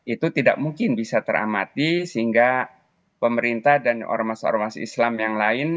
itu tidak mungkin bisa teramati sehingga pemerintah dan ormas ormas islam yang lain